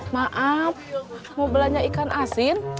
mau belanja ikan asin